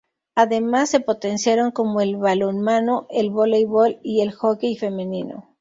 Además se potenciaron como el balonmano, el voleibol y el hockey femenino.